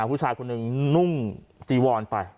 ผู้ชายคนหนึ่งนุ่งจีวอนไป